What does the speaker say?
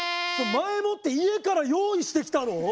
それ前もって家から用意してきたろ！？